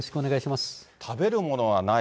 食べるものがない